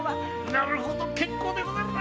なるほど結構でござるな。